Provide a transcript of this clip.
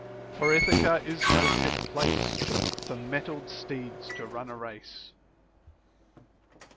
Eor Ithaca is no fit place For mettled steeds to run a race.